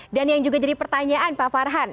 dan yang juga jadi pertanyaan pak farhan